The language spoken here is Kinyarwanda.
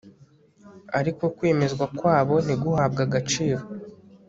ariko kwemezwa kwabo ntiguhabwe agaciro